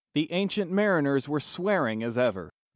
The ancient mariners were swearing as ever.